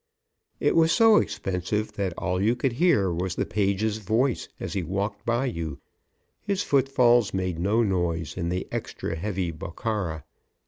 It was so expensive that all you could hear was the page's voice as he walked by you; his footfalls made no noise in the extra heavy Bokhara.